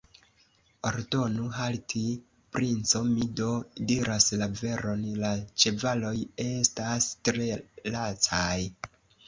Ordonu halti, princo, mi do diras la veron, la ĉevaloj estas tre lacaj.